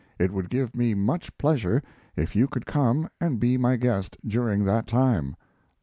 It would give me much pleasure if you could come and be my guest during that time.